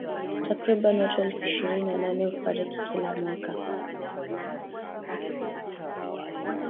Takribani watu elfu ishirini na nane hufariki kila mwaka